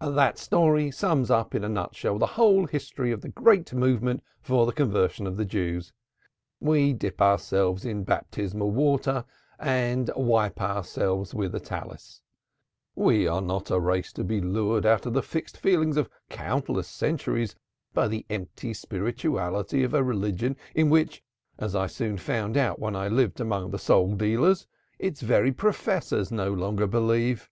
"That story sums up in a nutshell the whole history of the great movement for the conversion of the Jews. We dip ourselves in baptismal water and wipe ourselves with a Talith. We are not a race to be lured out of the fixed feelings of countless centuries by the empty spirituality of a religion in which, as I soon found out when I lived among the soul dealers, its very professors no longer believe.